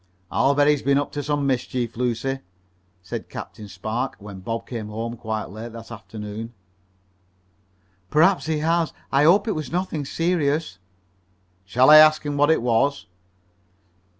"I'll bet he's been up to some mischief, Lucy," said Captain Spark when Bob came home quite late that afternoon. "Perhaps he has. I hope it was nothing serious." "Shall I ask him what it was?"